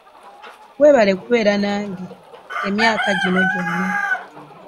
Weebale kubeera nange emyaka gino gyona.